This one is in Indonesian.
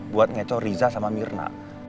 buat ngeco riza sama mirna